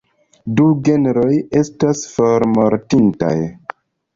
Du genroj estas formortintaj.